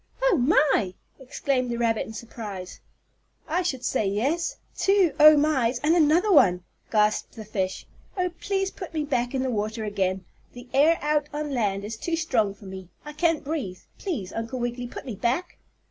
"Oh, my!" exclaimed the rabbit in surprise. "I should say yes! Two Oh mys and another one!" gasped the fish. "Oh, please put me back in the water again. The air out on land is too strong for me. I can't breathe. Please, Uncle Wiggily, put me back."